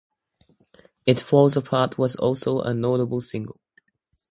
"It Falls Apart" was also a notable single.